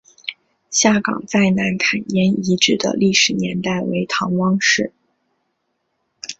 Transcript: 下岗再南坎沿遗址的历史年代为唐汪式。